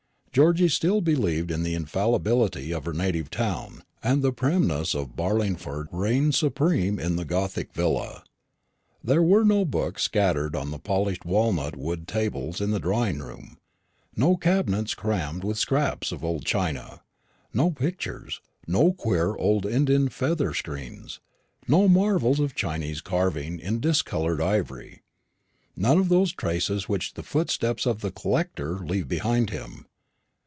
Georgy still believed in the infallibility of her native town, and the primness of Barlingford reigned supreme in the gothic villa. There were no books scattered on the polished walnut wood tables in the drawing room, no cabinets crammed with scraps of old china, no pictures, no queer old Indian feather screens, no marvels of Chinese carving in discoloured ivory; none of those traces which the footsteps of the "collector" leave behind him.